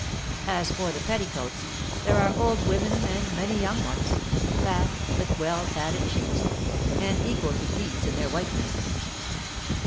As for the petticoats, there are old women and many young ones fat, with well padded cheeks, and equal to geese in their whiteness.